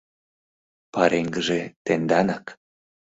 — Пареҥгыже — тенданак.